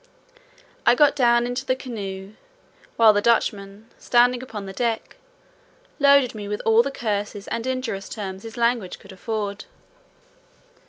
I got down into the canoe, while the Dutchman, standing upon the deck, loaded me with all the curses and injurious terms his language could afford.